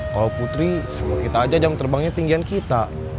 kalau putri sama kita aja jam terbangnya tinggi kita